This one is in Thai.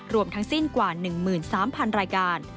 รวมทั้งสิ้นกว่า๑๓๐๐๐รายการ